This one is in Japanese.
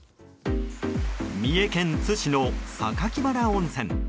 三重県津市の榊原温泉。